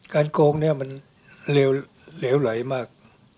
โกงเนี่ยมันเหลวไหลมาก